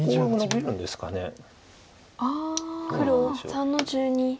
黒３の十二ツギ。